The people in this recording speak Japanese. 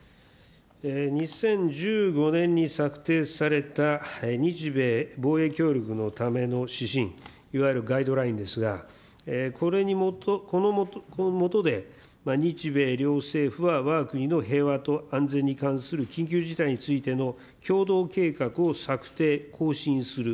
２０１５年に策定された日米防衛協力のための指針、いわゆるガイドラインですが、この下で日米両政府はわが国の平和と安全に関する緊急事態についての共同計画を策定、更新する。